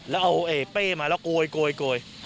แล้วเอาไอ้เป้มาแล้วโกย